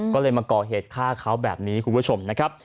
ก็เลยมาก่อเหตุฆ่าเขาแบบนี้คุณผู้ชมนะครับ